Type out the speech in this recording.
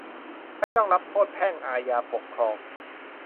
ไม่ต้องรับโทษแพ่ง อาญา ปกครอง